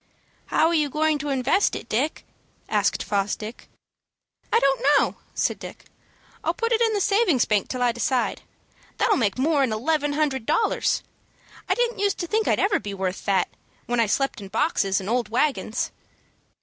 "How are you going to invest it, Dick?" asked Fosdick. "I don't know," said Dick. "I'll put it in the savings bank till I decide. That'll make more'n eleven hundred dollars. I didn't use to think I ever'd be worth that, when I slept in boxes and old wagons."